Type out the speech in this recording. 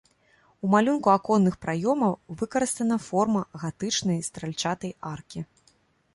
У малюнку аконных праёмаў выкарыстана форма гатычнай стральчатай аркі.